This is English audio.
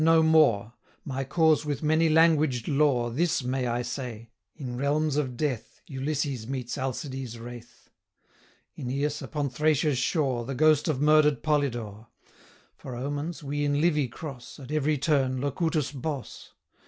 no more, My cause with many languaged lore, This may I say: in realms of death 145 Ulysses meets Alcides' WRAITH; Aeneas, upon Thracia's shore, The ghost of murder'd Polydore; For omens, we in Livy cross, At every turn, locutus Bos.